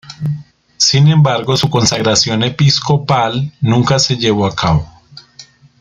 Sin embargo su consagración episcopal nunca se llevó a cabo.